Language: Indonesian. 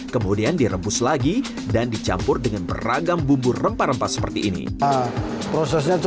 kemudian direbus lagi dan dicampur dengan beragam agam air kedelai